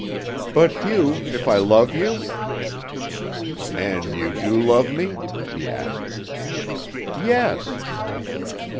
"But, Hugh if I love you?" "And you do love me?" he asked. "Yes."